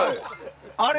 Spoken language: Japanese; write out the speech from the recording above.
あれ？